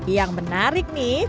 yang menarik nih